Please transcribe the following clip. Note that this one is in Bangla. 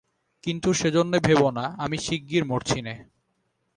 কিন্তু সেজন্যে ভেবো না, আমি শিগগির মরছি নে।